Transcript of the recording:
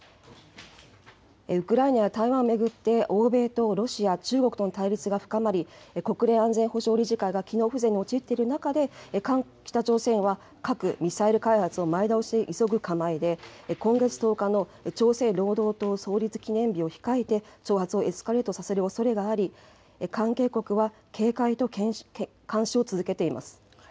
ウクライナや台湾を巡って、欧米とロシア、中国との対立が深まり、国連安全保障理事会が機能不全に陥っている中で、北朝鮮は核・ミサイル開発を前倒しで急ぐ構えで、今月１０日の朝鮮労働党創立記念日を控えて挑発をエスカレートさせるおそれがあり、関係国は警戒と監視を続けています。